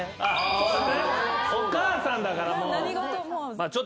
そうですねお母さんだから。